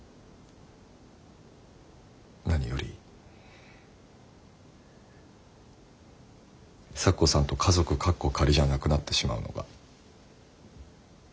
何より咲子さんと家族カッコ仮じゃなくなってしまうのが。